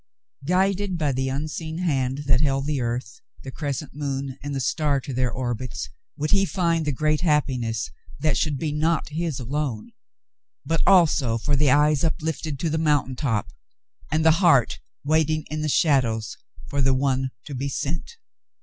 Guided by the unseen hand that held the earth, the crescent moon and the star to their orbits, would he find the great happiness that should be not his alone, but also for the eyes uplifted to the mountain top and the heart waiting in the shadows for the one to be sent